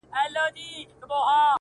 څوک چي له گلاب سره ياري کوي؛